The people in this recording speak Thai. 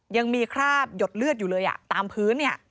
ยังมีคราบหยดเลือดอยู่เลยตามพื้นเนี่ย